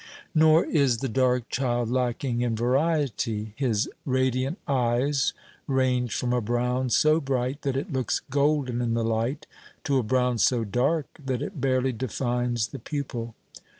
Nor is the dark child lacking in variety. His radiant eyes range from a brown so bright that it looks golden in the light, to a brown so dark that it barely defines the pupil.